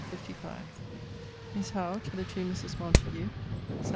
LETTER LV MISS HOWE, TO THE TWO MISSES MONTAGUE SAT.